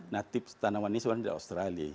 natif tanaman ini sebenarnya di australia